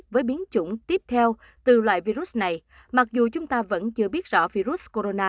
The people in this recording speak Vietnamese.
với biến chủng tiếp theo từ loại virus này mặc dù chúng ta vẫn chưa biết rõ virus corona